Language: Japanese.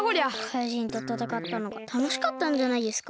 かいじんとたたかったのがたのしかったんじゃないですか。